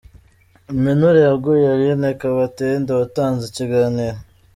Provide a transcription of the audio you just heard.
Impenure yagoye Alline Kabatende watanze ikiganiro….